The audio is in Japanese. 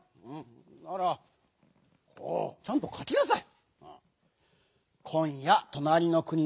ならこうちゃんとかきなさい！